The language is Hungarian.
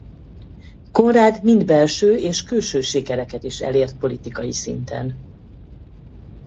Konrád mind belső és külső sikereket is elért politikai szinten.